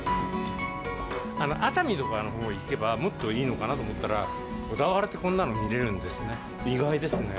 熱海とかのほうに行けばもっといいのかなと思ったら、小田原でこんなの見れるんですね。